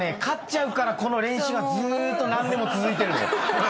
勝っちゃうからこの練習がずっと何年も続いてる。